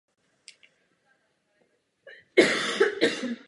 To je pro něj velmi typické.